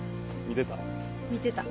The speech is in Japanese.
見てた？